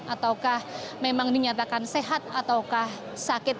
ataukah memang dinyatakan sehat ataukah sakit